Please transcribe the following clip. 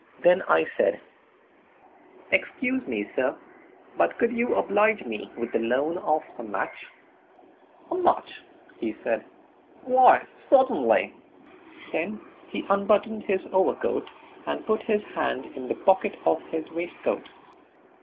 Then I said: "Excuse me, sir, but could you oblige me with the loan of a match?" "A match?" he said, "why certainly." Then he unbuttoned his overcoat and put his hand in the pocket of his waistcoat.